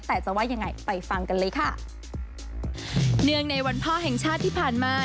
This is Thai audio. แต่จะว่ายังไงไปฟังกันเลยค่ะเนื่องในวันพ่อแห่งชาติที่ผ่านมา